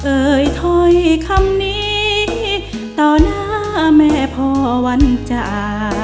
เอ่ยถอยคำนี้ต่อหน้าแม่พ่อวันจ้า